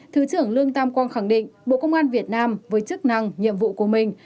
thứ trưởng lương tam quang khẳng định bộ công an việt nam với chức năng nhiệm vụ của mình